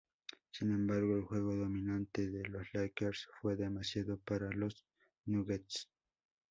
Sin embargo, el juego dominante de los Lakers fue demasiado para los Nuggets.